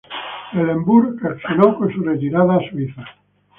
Eulenburg reaccionó con su retirada a Suiza.